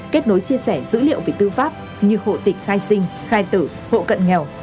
kết nối chia sẻ dữ liệu về tư pháp như hộ tịch khai sinh khai tử hộ cận nghèo